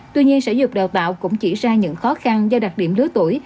tuy nhiên sở dục đào tạo cũng chỉ ra những khó khăn do đặc điểm lứa tuổi